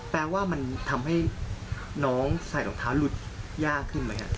แปลว่ามันทำให้น้องใส่รองเท้าหลุดยากขึ้นไหมครับ